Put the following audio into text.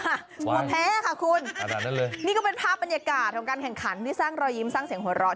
หัวแพ้ค่ะคุณขนาดนั้นเลยนี่ก็เป็นภาพบรรยากาศของการแข่งขันที่สร้างรอยยิ้มสร้างเสียงหัวเราะ